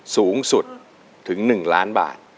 สูงสุดถึง๑ล้านบาท